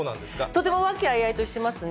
とても和気あいあいとしてますね。